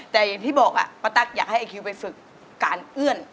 แต่อย่างที่บอกป้าตั๊กอยากให้ไอคิวไปฝึกการเอื้อน